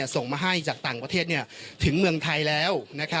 ส่งมาให้จากต่างประเทศถึงเมืองไทยแล้ว